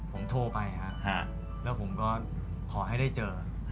ผมโทรไปฮะแล้วผมก็ขอให้ได้เจอ